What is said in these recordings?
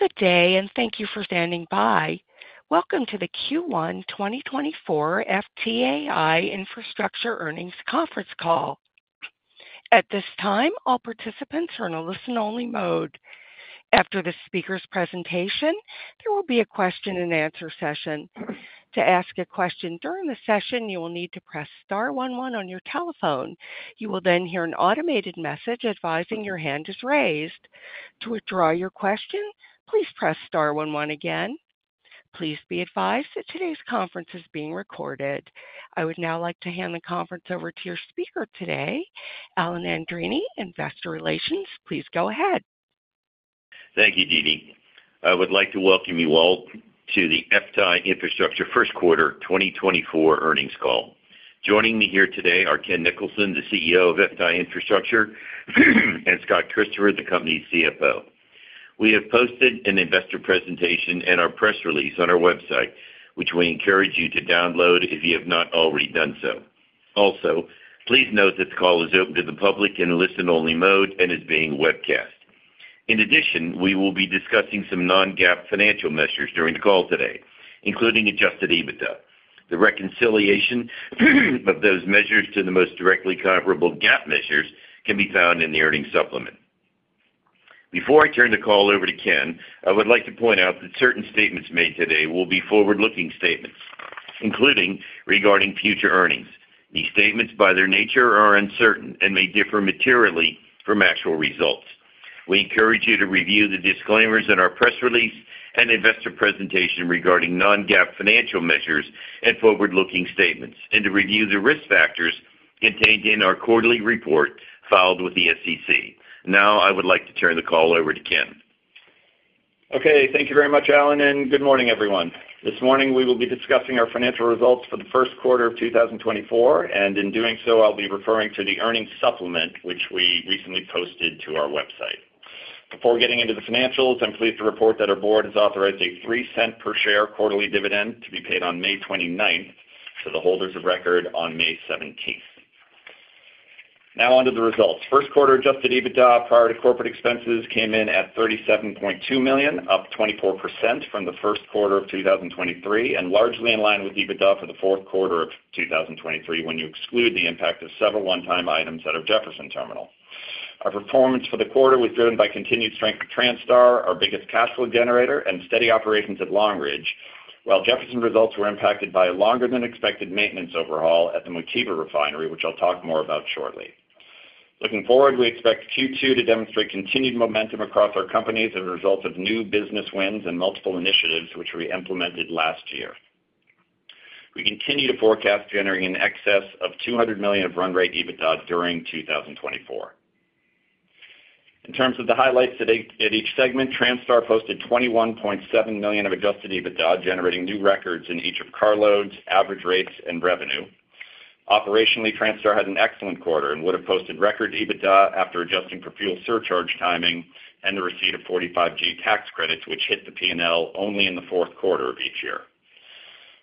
Good day, and thank you for standing by. Welcome to the Q1 2024 FTAI Infrastructure Earnings Conference Call. At this time, all participants are in a listen-only mode. After the speaker's presentation, there will be a question-and-answer session. To ask a question during the session, you will need to press star one one on your telephone. You will then hear an automated message advising your hand is raised. To withdraw your question, please press star one one again. Please be advised that today's conference is being recorded. I would now like to hand the conference over to your speaker today, Alan Andreini, Investor Relations. Please go ahead. Thank you, Dee Dee. I would like to welcome you all to the FTAI Infrastructure first quarter 2024 earnings call. Joining me here today are Ken Nicholson, the CEO of FTAI Infrastructure, and Scott Christopher, the company's CFO. We have posted an investor presentation and our press release on our website, which we encourage you to download if you have not already done so. Also, please note that this call is open to the public in a listen-only mode and is being webcast. In addition, we will be discussing some non-GAAP financial measures during the call today, including adjusted EBITDA. The reconciliation of those measures to the most directly comparable GAAP measures can be found in the earnings supplement. Before I turn the call over to Ken, I would like to point out that certain statements made today will be forward-looking statements, including regarding future earnings. These statements, by their nature, are uncertain and may differ materially from actual results. We encourage you to review the disclaimers in our press release and investor presentation regarding non-GAAP financial measures and forward-looking statements, and to review the risk factors contained in our quarterly report filed with the SEC. Now, I would like to turn the call over to Ken. Okay, thank you very much, Alan, and good morning, everyone. This morning, we will be discussing our financial results for the first quarter of 2024, and in doing so, I'll be referring to the earnings supplement, which we recently posted to our website. Before getting into the financials, I'm pleased to report that our board has authorized a $0.03 per share quarterly dividend to be paid on May 29th to the holders of record on May 17th. Now on to the results. First quarter adjusted EBITDA, prior to corporate expenses, came in at $37.2 million, up 24% from the first quarter of 2023, and largely in line with EBITDA for the fourth quarter of 2023, when you exclude the impact of several one-time items out of Jefferson Terminal. Our performance for the quarter was driven by continued strength of Transtar, our biggest cash flow generator, and steady operations at Long Ridge, while Jefferson results were impacted by a longer-than-expected maintenance overhaul at the Motiva refinery, which I'll talk more about shortly. Looking forward, we expect Q2 to demonstrate continued momentum across our companies as a result of new business wins and multiple initiatives, which we implemented last year. We continue to forecast generating in excess of $200 million of run rate EBITDA during 2024. In terms of the highlights today at each segment, Transtar posted $21.7 million of adjusted EBITDA, generating new records in each of carloads, average rates, and revenue. Operationally, Transtar had an excellent quarter and would have posted record EBITDA after adjusting for fuel surcharge timing and the receipt of 45G tax credits, which hit the P&L only in the fourth quarter of each year.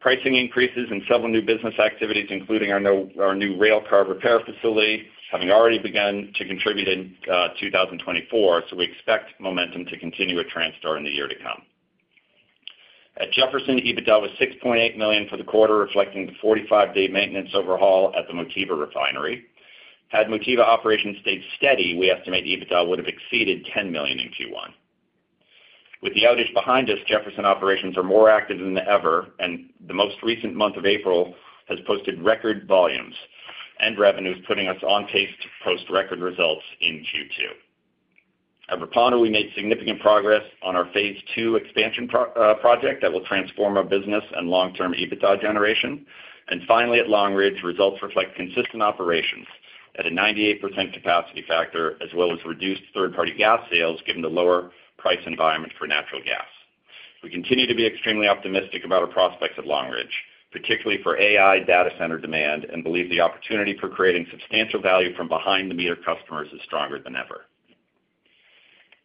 Pricing increases in several new business activities, including our new rail car repair facility, having already begun to contribute in 2024, so we expect momentum to continue at Transtar in the year to come. At Jefferson, EBITDA was $6.8 million for the quarter, reflecting the 45-day maintenance overhaul at the Motiva refinery. Had Motiva operations stayed steady, we estimate EBITDA would have exceeded $10 million in Q1. With the outage behind us, Jefferson operations are more active than ever, and the most recent month of April has posted record volumes and revenues, putting us on pace to post record results in Q2. At Repauno, we made significant progress on our phase two expansion project that will transform our business and long-term EBITDA generation. Finally, at Long Ridge, results reflect consistent operations at a 98% capacity factor, as well as reduced third-party gas sales, given the lower price environment for natural gas. We continue to be extremely optimistic about our prospects at Long Ridge, particularly for AI data center demand, and believe the opportunity for creating substantial value from behind the meter customers is stronger than ever.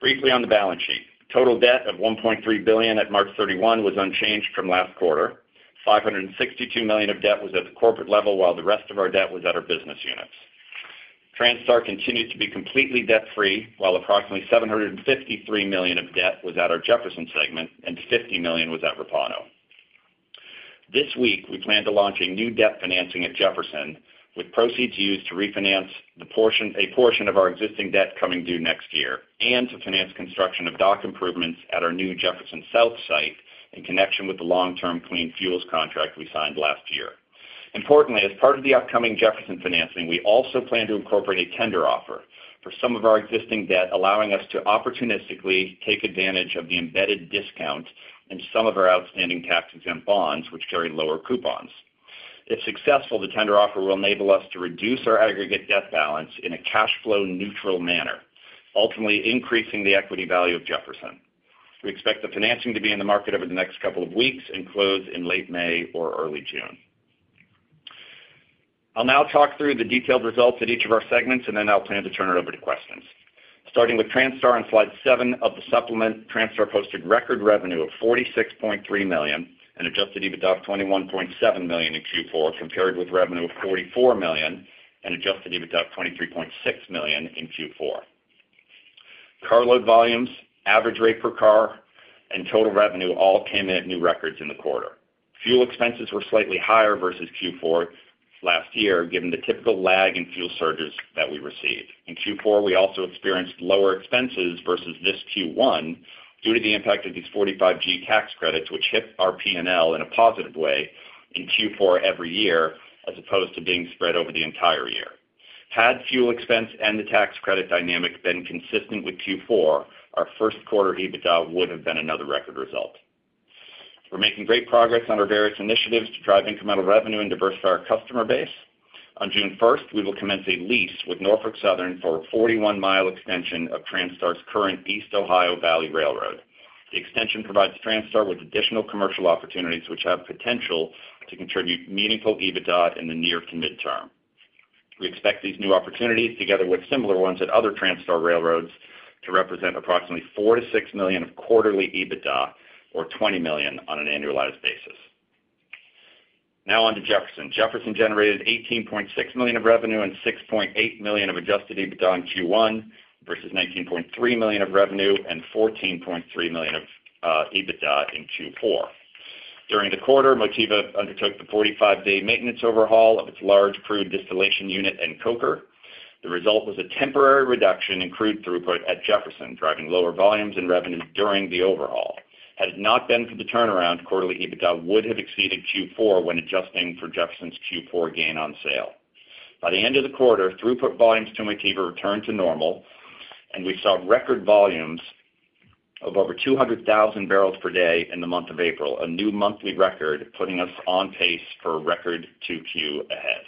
Briefly on the balance sheet, total debt of $1.3 billion at March 31 was unchanged from last quarter. $562 million of debt was at the corporate level, while the rest of our debt was at our business units. Transtar continues to be completely debt-free, while approximately $753 million of debt was at our Jefferson segment and $50 million was at Repauno. This week, we plan to launch a new debt financing at Jefferson, with proceeds used to refinance a portion of our existing debt coming due next year, and to finance construction of dock improvements at our new Jefferson South site in connection with the long-term clean fuels contract we signed last year. Importantly, as part of the upcoming Jefferson financing, we also plan to incorporate a tender offer for some of our existing debt, allowing us to opportunistically take advantage of the embedded discount in some of our outstanding tax-exempt bonds, which carry lower coupons. If successful, the tender offer will enable us to reduce our aggregate debt balance in a cash flow neutral manner, ultimately increasing the equity value of Jefferson. We expect the financing to be in the market over the next couple of weeks and close in late May or early June. I'll now talk through the detailed results at each of our segments, and then I'll plan to turn it over to questions. Starting with Transtar on slide seven of the supplement, Transtar posted record revenue of $46.3 million and adjusted EBITDA of $21.7 million in Q4, compared with revenue of $44 million and adjusted EBITDA of $23.6 million in Q4. Carload volumes, average rate per car, and total revenue all came in at new records in the quarter. Fuel expenses were slightly higher versus Q4 last year, given the typical lag in fuel surcharges that we received. In Q4, we also experienced lower expenses versus this Q1 due to the impact of these 45G tax credits, which hit our P&L in a positive way in Q4 every year, as opposed to being spread over the entire year. Had fuel expense and the tax credit dynamic been consistent with Q4, our first quarter EBITDA would have been another record result. We're making great progress on our various initiatives to drive incremental revenue and diversify our customer base. On June 1, we will commence a lease with Norfolk Southern for a 41-mile extension of Transtar's current East Ohio Valley Railway. The extension provides Transtar with additional commercial opportunities, which have potential to contribute meaningful EBITDA in the near- to mid-term. We expect these new opportunities, together with similar ones at other Transtar railroads, to represent approximately $4 million-$6 million of quarterly EBITDA, or $20 million on an annualized basis. Now on to Jefferson. Jefferson generated $18.6 million of revenue and $6.8 million of adjusted EBITDA in Q1 versus $19.3 million of revenue and $14.3 million of EBITDA in Q4. During the quarter, Motiva undertook the 45-day maintenance overhaul of its large crude distillation unit and coker. The result was a temporary reduction in crude throughput at Jefferson, driving lower volumes and revenue during the overhaul. Had it not been for the turnaround, quarterly EBITDA would have exceeded Q4 when adjusting for Jefferson's Q4 gain on sale. By the end of the quarter, throughput volumes to Motiva returned to normal, and we saw record volumes of over 200,000 barrels per day in the month of April, a new monthly record, putting us on pace for a record 2Q ahead.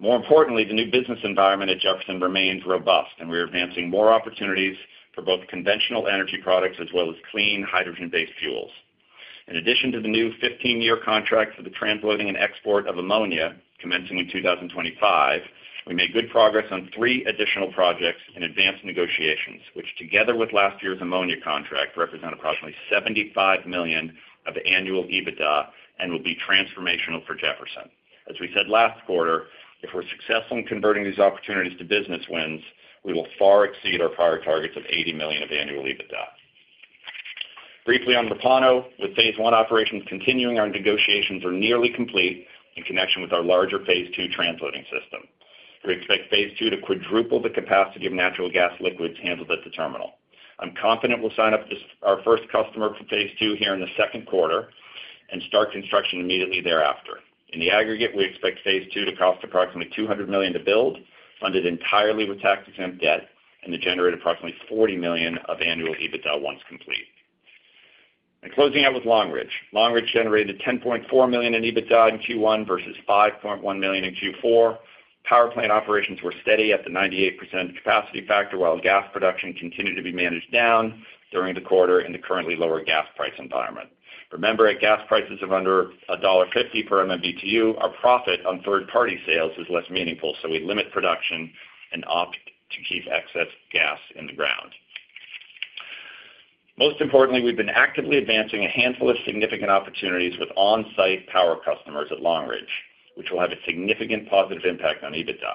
More importantly, the new business environment at Jefferson remains robust, and we're advancing more opportunities for both conventional energy products as well as clean, hydrogen-based fuels. In addition to the new 15-year contract for the transloading and export of ammonia, commencing in 2025, we made good progress on three additional projects in advanced negotiations, which, together with last year's ammonia contract, represent approximately $75 million of annual EBITDA and will be transformational for Jefferson. As we said last quarter, if we're successful in converting these opportunities to business wins, we will far exceed our prior targets of $80 million of annual EBITDA. Briefly on Repauno, with phase one operations continuing, our negotiations are nearly complete in connection with our larger phase two transloading system. We expect phase two to quadruple the capacity of natural gas liquids handled at the terminal. I'm confident we'll sign up this, our first customer for phase two here in the second quarter and start construction immediately thereafter. In the aggregate, we expect phase two to cost approximately $200 million to build, funded entirely with tax-exempt debt, and to generate approximately $40 million of annual EBITDA once complete. Closing out with Long Ridge. Long Ridge generated $10.4 million in EBITDA in Q1 versus $5.1 million in Q4. Power plant operations were steady at the 98% capacity factor, while gas production continued to be managed down during the quarter in the currently lower gas price environment. Remember, at gas prices of under $1.50 per MMBtu, our profit on third-party sales is less meaningful, so we limit production and opt to keep excess gas in the ground. Most importantly, we've been actively advancing a handful of significant opportunities with on-site power customers at Long Ridge, which will have a significant positive impact on EBITDA.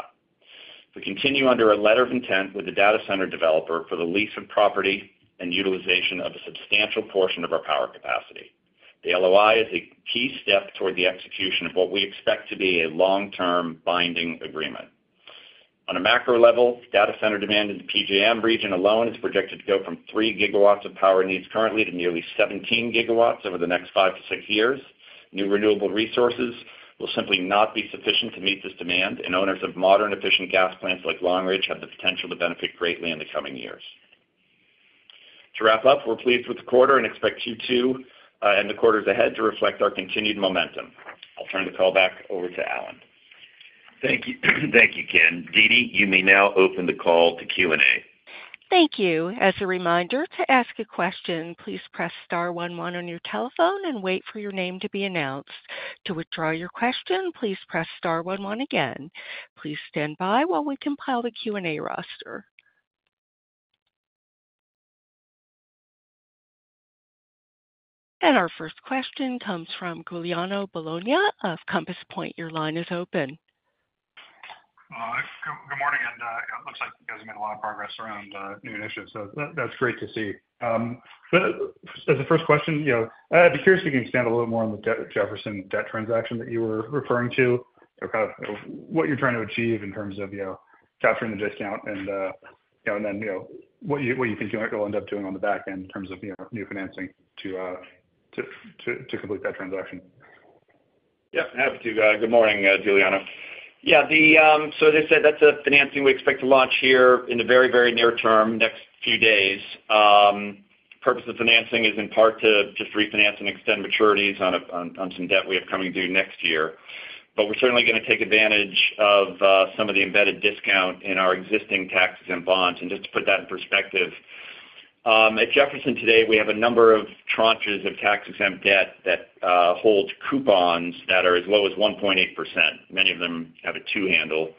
We continue under a letter of intent with the data center developer for the lease of property and utilization of a substantial portion of our power capacity. The LOI is a key step toward the execution of what we expect to be a long-term binding agreement. On a macro level, data center demand in the PJM region alone is projected to go from 3 GW of power needs currently to nearly 17 GW over the next five-six years. New renewable resources will simply not be sufficient to meet this demand, and owners of modern, efficient gas plants like Long Ridge have the potential to benefit greatly in the coming years. To wrap up, we're pleased with the quarter and expect Q2 and the quarters ahead to reflect our continued momentum. I'll turn the call back over to Alan. Thank you. Thank you, Ken. Dee Dee, you may now open the call to Q&A. Thank you. As a reminder, to ask a question, please press star one one on your telephone and wait for your name to be announced. To withdraw your question, please press star one one again. Please stand by while we compile the Q&A roster. Our first question comes from Giuliano Bologna of Compass Point. Your line is open. Good morning, and it looks like you guys have made a lot of progress around new initiatives, so that's great to see. But as the first question, you know, I'd be curious if you can expand a little more on the Jefferson debt transaction that you were referring to, or kind of what you're trying to achieve in terms of, you know, capturing the discount and, you know, and then, you know, what you think you might end up doing on the back end in terms of, you know, new financing to complete that transaction? Yep, happy to. Good morning, Giuliano. Yeah, so as I said, that's a financing we expect to launch here in the very, very near term, next few days. Purpose of financing is in part to just refinance and extend maturities on some debt we have coming due next year. But we're certainly gonna take advantage of some of the embedded discount in our existing tax-exempt bonds. And just to put that in perspective, at Jefferson today, we have a number of tranches of tax-exempt debt that holds coupons that are as low as 1.8%. Many of them have a two handle.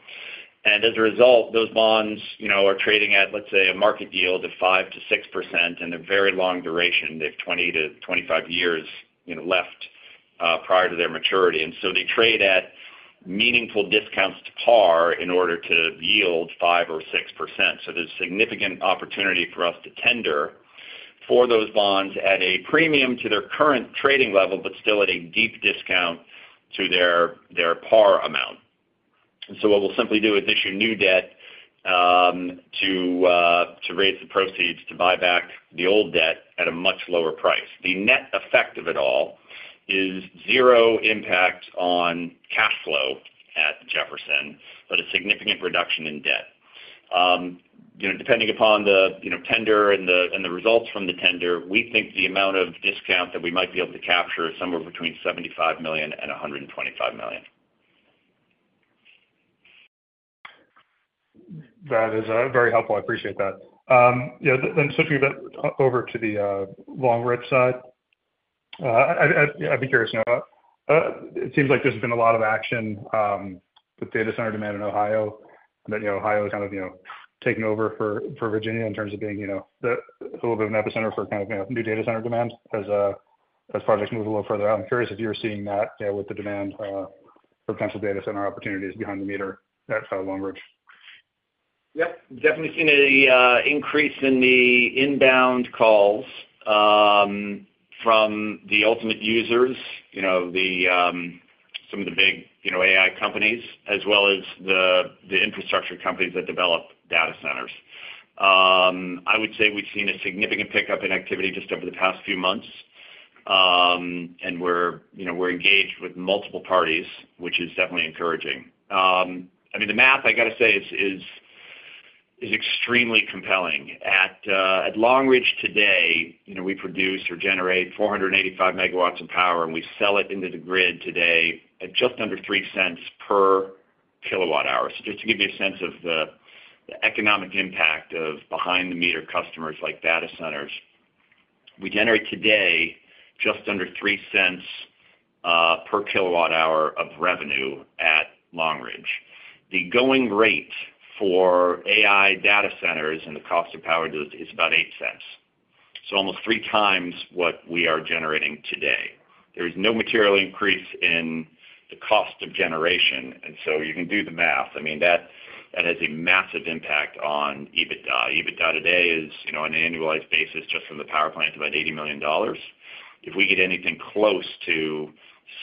And as a result, those bonds, you know, are trading at, let's say, a market yield of 5%-6% and a very long duration. They have 20-25 years, you know, left prior to their maturity. So they trade at meaningful discounts to par in order to yield 5% or 6%. So there's significant opportunity for us to tender for those bonds at a premium to their current trading level, but still at a deep discount to their par amount. So what we'll simply do is issue new debt to raise the proceeds to buy back the old debt at a much lower price. The net effect of it all is zero impact on cash flow at Jefferson, but a significant reduction in debt. You know, depending upon the tender and the results from the tender, we think the amount of discount that we might be able to capture is somewhere between $75 million and $125 million. That is, very helpful. I appreciate that. Yeah, then switching a bit over to the, Long Ridge side, I'd be curious to know, it seems like there's been a lot of action, with data center demand in Ohio, that, you know, Ohio is kind of, you know, taking over for Virginia in terms of being, you know, the, a little bit of an epicenter for kind of, you know, new data center demand as projects move a little further out. I'm curious if you're seeing that, you know, with the demand, for potential data center opportunities behind the meter at, Long Ridge. Yep, definitely seen an increase in the inbound calls from the ultimate users, you know, the some of the big, you know, AI companies, as well as the infrastructure companies that develop data centers. I would say we've seen a significant pickup in activity just over the past few months, and we're, you know, we're engaged with multiple parties, which is definitely encouraging. I mean, the math, I got to say, is extremely compelling. At Long Ridge today, you know, we produce or generate 485 MW of power, and we sell it into the grid today at just under $0.03 per kWh. So just to give you a sense of the economic impact of behind the meter customers like data centers, we generate today just under $0.03 per kWh of revenue at Long Ridge. The going rate for AI data centers and the cost of power is about $0.08. So almost 3 times what we are generating today. There is no material increase in the cost of generation, and so you can do the math. I mean, that has a massive impact on EBITDA. EBITDA today is, you know, on an annualized basis, just from the power plant, about $80 million. If we get anything close to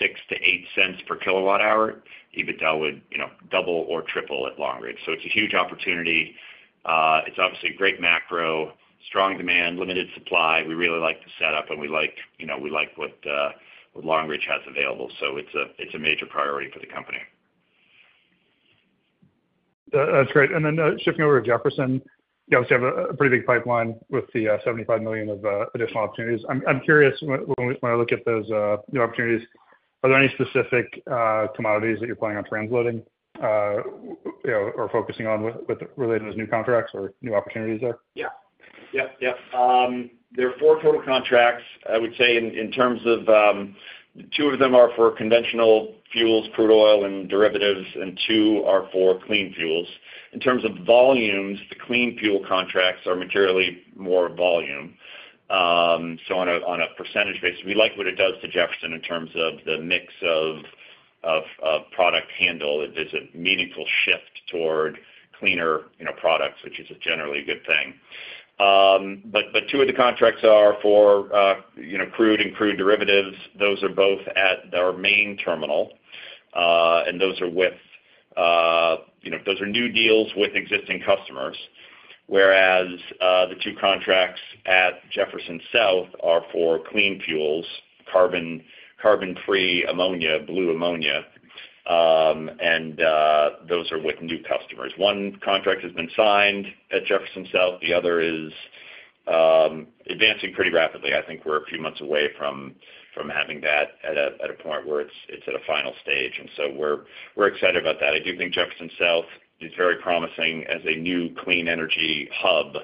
$0.06-$0.08 per kWh, EBITDA would, you know, double or triple at Long Ridge. So it's a huge opportunity. It's obviously a great macro, strong demand, limited supply. We really like the setup, and we like, you know, we like what, what Long Ridge has available. So it's a major priority for the company. That's great. And then, shifting over to Jefferson, you obviously have a pretty big pipeline with the $75 million of additional opportunities. I'm curious, when I look at those new opportunities, are there any specific commodities that you're planning on transloading, you know, or focusing on with related to new contracts or new opportunities there? Yeah. Yep, yep. There are four total contracts. I would say in terms of, two of them are for conventional fuels, crude oil and derivatives, and two are for clean fuels. In terms of volumes, the clean fuels contracts are materially more volume. So on a percentage basis, we like what it does to Jefferson in terms of the mix of product handle. It's a meaningful shift toward cleaner, you know, products, which is a generally good thing. But two of the contracts are for, you know, crude and crude derivatives. Those are both at our main terminal, and those are with, you know, those are new deals with existing customers, whereas the two contracts at Jefferson South are for clean fuels, carbon, carbon-free ammonia, blue ammonia, and those are with new customers. One contract has been signed at Jefferson South. The other is advancing pretty rapidly. I think we're a few months away from having that at a point where it's at a final stage, and so we're excited about that. I do think Jefferson South is very promising as a new clean energy hub.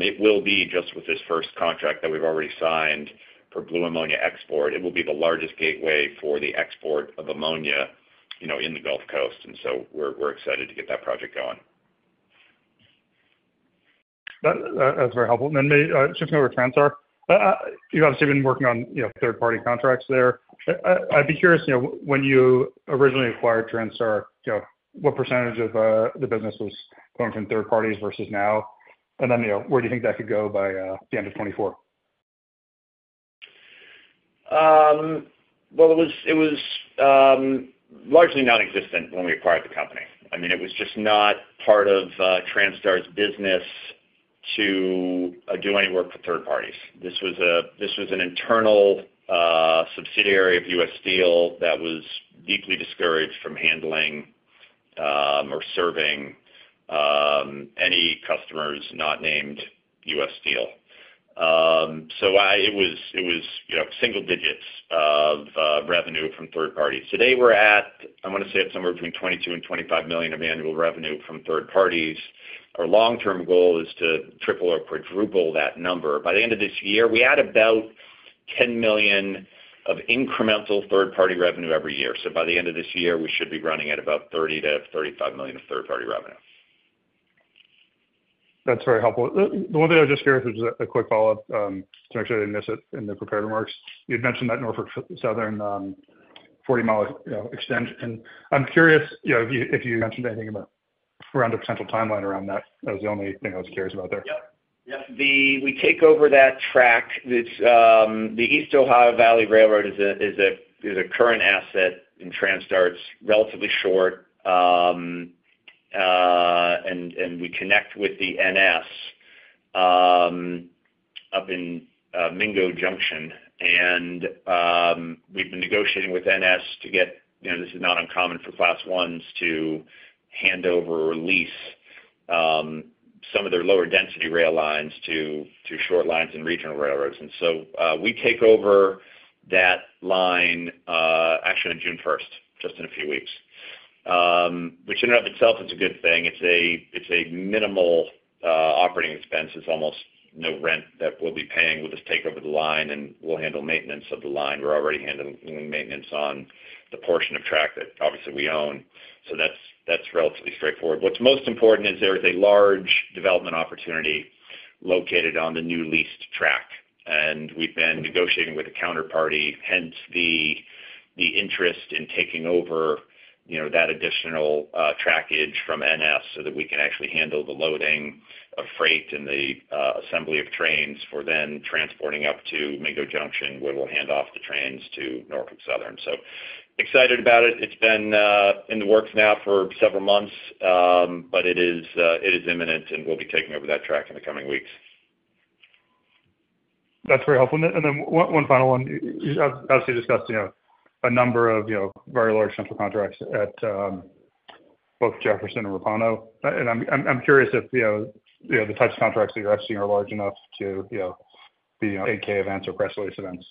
It will be, just with this first contract that we've already signed for blue ammonia export, it will be the largest gateway for the export of ammonia, you know, in the Gulf Coast, and so we're excited to get that project going. That, that's very helpful. And then, shifting over to Transtar. You've obviously been working on, you know, third-party contracts there. I'd be curious, you know, when you originally acquired Transtar, you know, what percentage of the business was coming from third parties versus now? And then, you know, where do you think that could go by the end of 2024? Well, it was largely non-existent when we acquired the company. I mean, it was just not part of Transtar's business to do any work for third parties. This was an internal subsidiary of U.S. Steel that was deeply discouraged from handling or serving any customers not named U.S. Steel. So it was, you know, single digits of revenue from third parties. Today, we're at, I want to say, it's somewhere between $22 million and $25 million of annual revenue from third parties. Our long-term goal is to triple or quadruple that number. By the end of this year, we add about $10 million of incremental third-party revenue every year. So by the end of this year, we should be running at about $30 million-$35 million of third-party revenue. That's very helpful. The one thing I was just curious about was a quick follow-up to make sure I didn't miss it in the prepared remarks. You'd mentioned that Norfolk Southern 40-mile, you know, extension, and I'm curious, you know, if you mentioned anything about around a potential timeline around that. That was the only thing I was curious about there. Yep. Yep. We take over that track, which the East Ohio Valley Railway is a current asset, and Transtar's relatively short. And we connect with the NS up in Mingo Junction. And we've been negotiating with NS to get. You know, this is not uncommon for Class Is to hand over or lease some of their lower density rail lines to short lines and regional railroads. And so we take over that line actually on June first, just in a few weeks. Which in and of itself is a good thing. It's a minimal operating expense. It's almost no rent that we'll be paying. We'll just take over the line, and we'll handle maintenance of the line. We're already handling maintenance on the portion of track that obviously we own, so that's relatively straightforward. What's most important is there is a large development opportunity located on the new leased track, and we've been negotiating with a counterparty, hence the interest in taking over, you know, that additional trackage from NS so that we can actually handle the loading of freight and the assembly of trains for then transporting up to Mingo Junction, where we'll hand off the trains to Norfolk Southern. So excited about it. It's been in the works now for several months, but it is imminent, and we'll be taking over that track in the coming weeks. That's very helpful. Then one final one. You obviously discussed, you know, a number of, you know, very large central contracts at both Jefferson and Repauno. And I'm curious if, you know, you know, the types of contracts that you're actually are large enough to, you know, be, you know, 8-K events or press release events?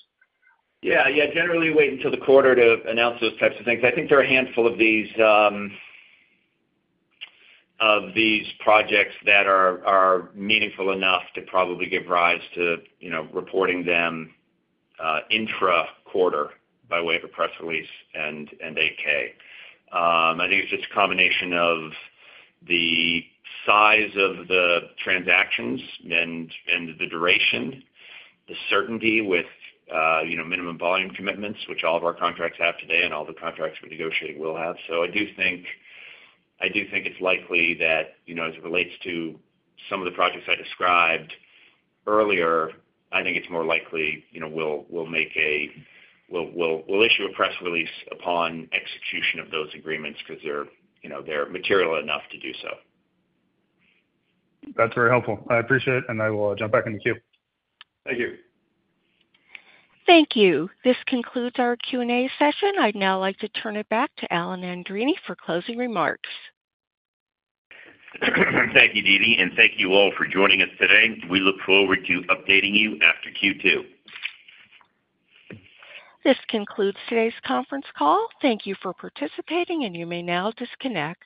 Yeah. Yeah, generally wait until the quarter to announce those types of things. I think there are a handful of these projects that are meaningful enough to probably give rise to, you know, reporting them intra-quarter, by way of a press release and 8-K. I think it's just a combination of the size of the transactions and the duration, the certainty with, you know, minimum volume commitments, which all of our contracts have today, and all the contracts we're negotiating will have. So I do think it's likely that, you know, as it relates to some of the projects I described earlier, I think it's more likely, you know, we'll issue a press release upon execution of those agreements because they're, you know, they're material enough to do so. That's very helpful. I appreciate it, and I will jump back in the queue. Thank you. Thank you. This concludes our Q&A session. I'd now like to turn it back to Alan Andreini for closing remarks. Thank you, Dee Dee, and thank you all for joining us today. We look forward to updating you after Q2. This concludes today's conference call. Thank you for participating, and you may now disconnect.